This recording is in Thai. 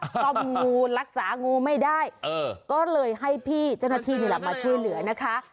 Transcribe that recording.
ซ่อมงูรักษางูไม่ได้ก็เลยให้พี่เจ้าหน้าที่นี่แหละมาช่วยเหลือนะคะ